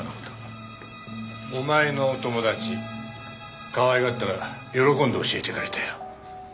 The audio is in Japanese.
お前のお友達かわいがったら喜んで教えてくれたよ。